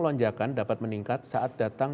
lonjakan dapat meningkat saat datang